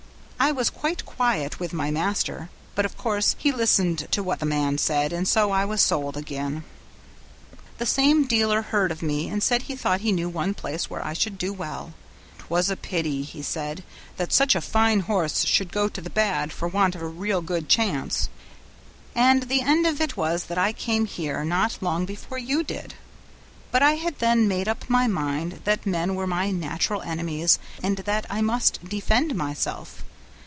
I was quite quiet with my master, but of course he listened to what the man said, and so I was sold again. "The same dealer heard of me, and said he thought he knew one place where I should do well. ''Twas a pity,' he said, 'that such a fine horse should go to the bad, for want of a real good chance,' and the end of it was that I came here not long before you did; but I had then made up my mind that men were my natural enemies and that I must defend myself.